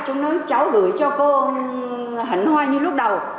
chúng nói cháu gửi cho cô hẳn hoa như lúc đầu